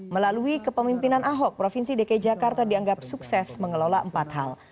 melalui kepemimpinan ahok provinsi dki jakarta dianggap sukses mengelola empat hal